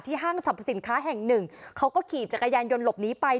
ห้างสรรพสินค้าแห่งหนึ่งเขาก็ขี่จักรยานยนต์หลบหนีไป